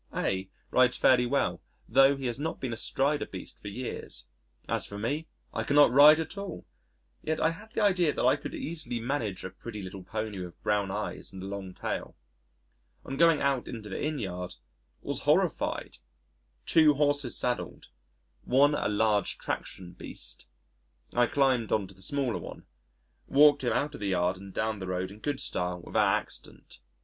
A rides fairly well tho' he has not been astride a beast for years. As for me, I cannot ride at all! Yet I had the idea that I could easily manage a pretty little pony with brown eyes and a long tail. On going out into the Inn yard, was horrified two horses saddled one a large traction beast.... I climbed on to the smaller one, walked him out of the yard and down the road in good style without accident.